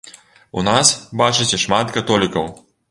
У нас, бачыце, шмат католікаў.